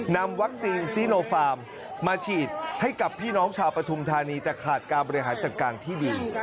นำวัคซีนซีโนฟาร์มมาฉีดให้กับพี่น้องชาวปฐุมธานีแต่ขาดการบริหารจัดการที่ดี